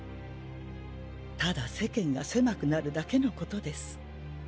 ただ世間が狭くなるだけのことです。